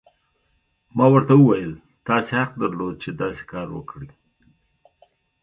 ما ورته وویل: تاسي حق درلود، چې داسې کار وکړي.